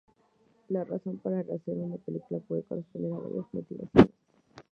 La razón para rehacer una película puede corresponder a varias motivaciones.